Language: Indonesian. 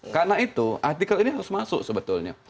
karena itu artikel ini harus masuk sebetulnya